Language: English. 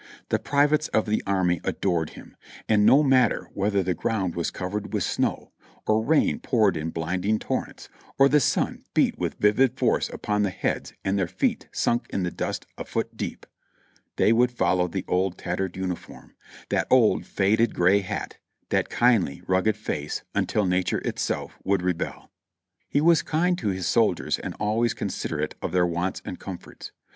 The privates of the army adored him ; and no matter whether the ground was covered with snow, or rain poured in blinding torrents, or the sun beat with vivid force upon the heads and their feet sunk in the dust a foot deep, they would follow the old tattered uniform, that old faded gray hat, that kindly, rugged face, until nature itself would rebel. He was kind to his soldiers and always considerate of their wants and comforts.